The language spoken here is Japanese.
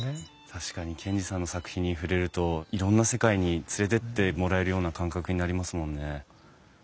確かに賢治さんの作品に触れるといろんな世界に連れてってもらえるような感覚になりますもんね。